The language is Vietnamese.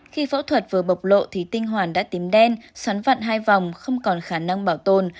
khi phẫu thuật vừa bộc lộ thì tinh hoàn đã tìm đen xoắn vặn hai vòng không còn khả năng bảo tồn